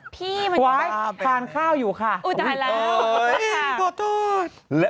พี่มันจะมาเป็นอุ๊ยตายแล้วโทษคว้ายฟานข้าวอยู่ค่ะ